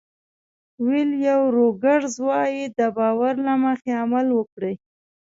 ویل روګرز وایي د باور له مخې عمل وکړئ.